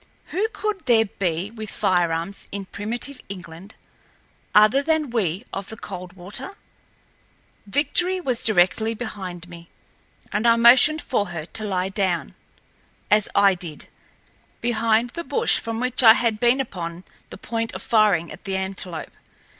Who could there be with firearms in primitive England other than we of the Coldwater? Victory was directly behind me, and I motioned for her to lie down, as I did, behind the bush from which I had been upon the point of firing at the antelope.